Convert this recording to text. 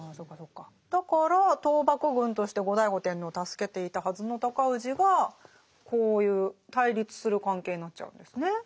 だから倒幕軍として後醍醐天皇を助けていたはずの尊氏がこういう対立する関係になっちゃうんですね。